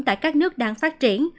tại các nước đang phát triển